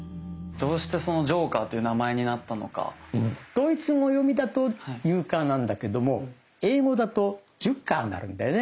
ドイツ語読みだと「ユーカー」なんだけども英語だと「ジュッカー」になるんだよね。